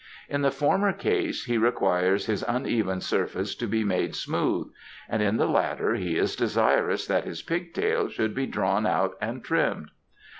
In the former case he requires his uneven surfaces to be made smooth; in the latter he is desirous that his pig tail should be drawn out and trimmed.